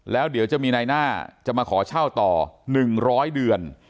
แล้วเดี๋ยวจะมีนายหน้าจะมาขอเช่าต่อ๑๐๐เดือน